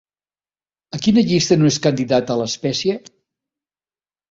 A quina llista no és candidata l'espècie?